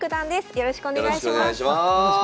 よろしくお願いします。